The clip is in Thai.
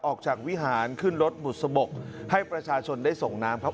ออกจากวิหารขึ้นรถบุษบกให้ประชาชนได้ส่งน้ำครับ